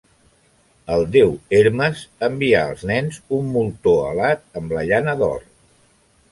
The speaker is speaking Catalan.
El déu Hermes envià als nens un moltó alat amb la llana d'or.